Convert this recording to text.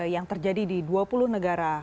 yang terjadi di dua puluh negara